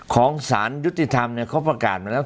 ของศาลยุติธรรมนี่เขาประกาศนะ